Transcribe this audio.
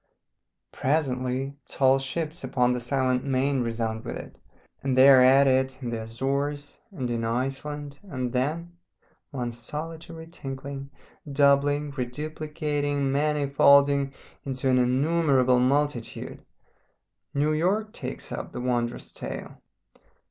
Presently tall ships upon the silent main resound with it, and they are at it in the Azores and in Iceland, and then one solitary tinkling, doubling, reduplicating, manifolding into an innumerable multitude New York takes up the wondrous tale.